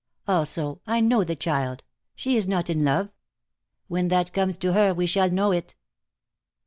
Also, I know the child. She is not in love. When that comes to her we shall know it."